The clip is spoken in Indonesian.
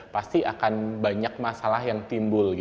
pasti akan banyak masalah yang timbul